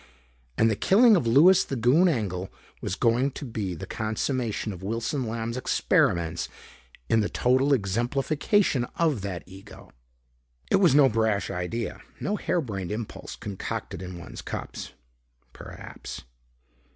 And the killing of Louis the Goon Engel was going to be the consummation of Wilson Lamb's experiments in the total exemplification of that ego. It was no brash idea, no hare brained impulse concocted in one's cups, perhaps.